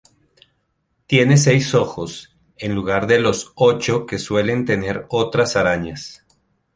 Tiene seis ojos en lugar de los ocho que suelen tener otras arañas.